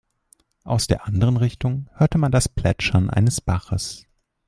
Aus der anderen Richtung hörte man das Plätschern eines Baches.